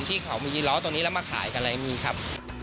ที่เขามียีล้อตรงนี้แล้วมาขายกันอะไรมีครับ